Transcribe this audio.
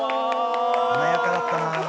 「華やかだったな」